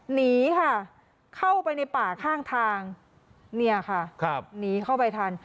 หนีค่ะเข้าไปในป่าข้างทางเนี่ยค่ะครับหนีเข้าไปทัน